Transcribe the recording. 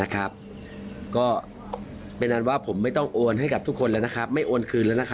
ก็เป็นอันว่าผมไม่ต้องโอนให้กับทุกคนแล้วไม่โอนคืนแล้ว